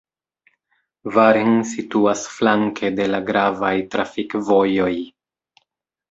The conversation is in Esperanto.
Varen situas flanke de la gravaj trafikvojoj.